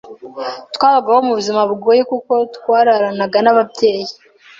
twabagaho mu buzima bugoye kuko twararanaga n’ababyeyi